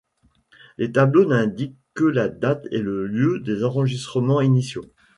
Les tableaux n'indiquent que la date et le lieu des enregistrements initiaux.